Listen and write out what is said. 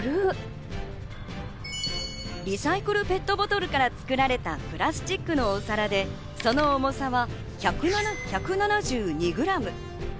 リサイクルペットボトルから作られたプラスチックのお皿でその重さは１７２ｇ。